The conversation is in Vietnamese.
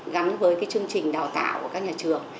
gắn với chương trình đào tạo của các nhà trường